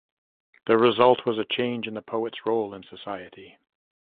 The result was a change in the poet's role in society.